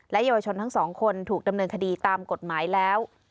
เยาวชนทั้งสองคนถูกดำเนินคดีตามกฎหมายแล้ว